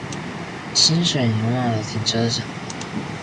清水牛罵頭停車場